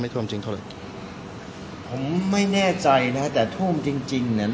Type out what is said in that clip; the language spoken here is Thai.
ท่วมจริงเท่าไหร่ผมไม่แน่ใจนะฮะแต่ท่วมจริงจริงเนี่ย